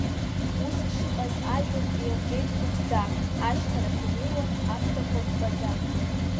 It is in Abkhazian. Ус ишыҟаз ажәҩан еилгеит хәыҷӡак, ашьхарахь инеиуан аԥҭақәа ббаӡа!